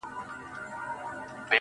د نازولي یار په یاد کي اوښکي غم نه دی.